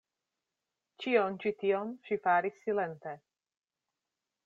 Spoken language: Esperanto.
Ĉion ĉi tion ŝi faris silente.